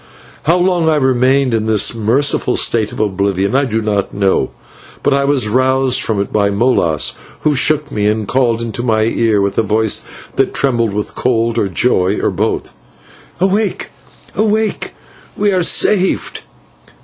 How long I remained in this merciful state of oblivion I do not know, but I was roused from it by Molas, who shook me and called into my ear with a voice that trembled with cold or joy, or both: "Awake, awake, we are saved!"